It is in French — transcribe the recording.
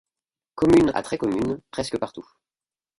Commune à très commune, presque partout.